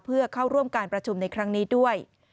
เพื่อเข้าร่วมการประชุมในครั้งนี้ด้วย